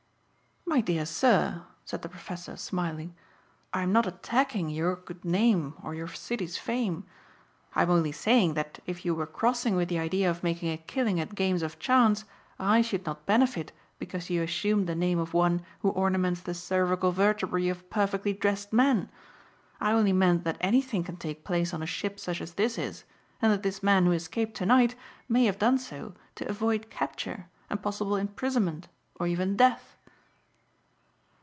"My dear sir," said the professor smiling, "I am not attacking your good name or your city's fame. I am only saying that if you were crossing with the idea of making a killing at games of chance I should not benefit because you assumed the name of one who ornaments the cervical vertebræ of perfectly dressed men. I only meant that anything can take place on a ship such as this is and that this man who escaped tonight may have done so to avoid capture and possible imprisonment or even death."